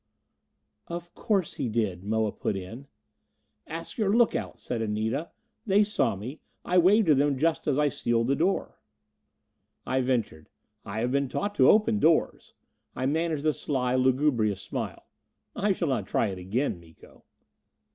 "Of course he did," Moa put in. "Ask your look outs," said Anita. "They saw me I waved to them just as I sealed the door." I ventured, "I have been taught to open doors." I managed a sly, lugubrious smile. "I shall not try it again, Miko."